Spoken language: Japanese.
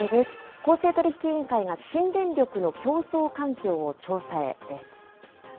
公正取引委員会が新電力の競争環境を調査へです。